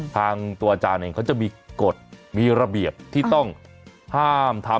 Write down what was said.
ทางตัวอาจารย์เองเขาจะมีกฎมีระเบียบที่ต้องห้ามทำ